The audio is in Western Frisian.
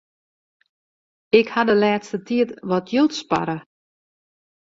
Ik haw de lêste tiid wat jild sparre.